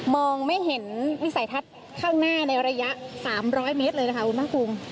มองไม่เห็นวิสัยทัศน์ข้างหน้าในระยะ๓๐๐เมตรเลยนะคะคุณภาคภูมิ